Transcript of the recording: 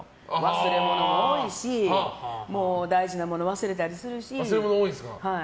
忘れ物も多いし大事なもの忘れたりするし。